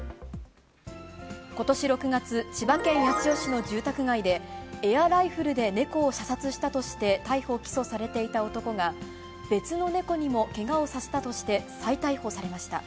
ことし６月、千葉県八千代市の住宅街で、エアライフルで猫を射殺したとして逮捕・起訴されていた男が、別の猫にもけがをさせたとして、再逮捕されました。